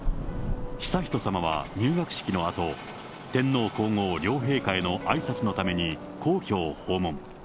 悠仁さまは入学式のあと、天皇皇后両陛下へのあいさつのために、皇居を訪問。